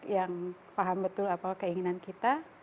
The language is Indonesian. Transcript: yang paham betul apa keinginan kita